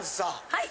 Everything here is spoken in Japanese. はい。